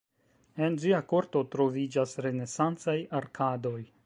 En ĝia korto troviĝas renesancaj arkadoj.